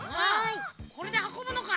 これではこぶのか。